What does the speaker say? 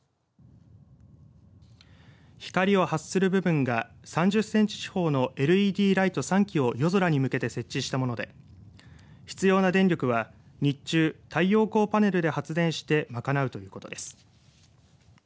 光を発する部分が３０センチ四方のＬＥＤライト３基を夜空に向けて設置したもので必要な電力は日中太陽光パネルで発電して賄うということです。